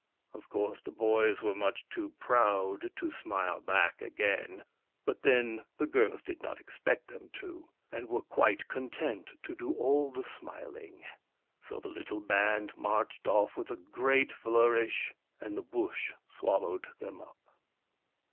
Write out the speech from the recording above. Of course, the boys were much too proud to smile back again — but then, the girls did not expect them to, and were quite content to do all the smiling. So the little band marched off with a great flourish, and the Bush swallowed them up.